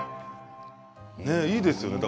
いいですよね。